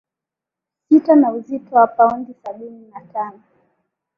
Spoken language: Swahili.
sita na uzito wa paundi sabini na tano